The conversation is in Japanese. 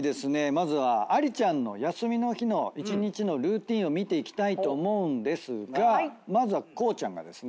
まずはありちゃんの休みの日の一日のルーティンを見ていきたいと思うんですがまずは光ちゃんがですね。